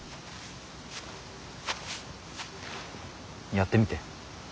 やってみて。